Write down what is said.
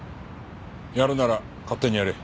やるなら勝手にやれ。